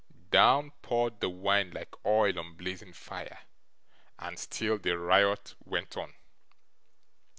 Down poured the wine like oil on blazing fire. And still the riot went on.